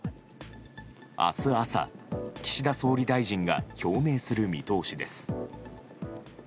明日朝、岸田総理大臣が表明する見通しです。